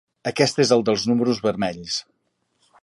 Aquest és el dels números vermells.